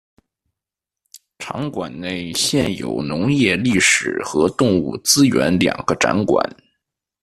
馆内现有农业历史和动物资源两个展馆。